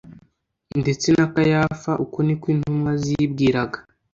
ndetse na Kayafa uko niko intumwa zibwiraga.